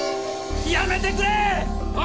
やめてくれ！